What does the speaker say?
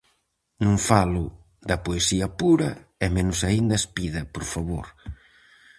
Non falo da poesía pura, e menos aínda espida, por favor.